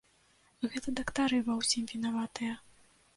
Гэта дактары ва ўсім вінаватыя.